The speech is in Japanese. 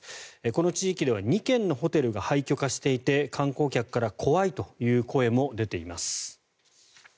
この地域では２軒のホテルが廃虚化していて観光客から怖いという声も出ています。